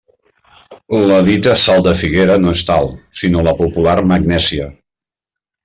La dita sal de figuera no és tal, sinó la popular magnèsia.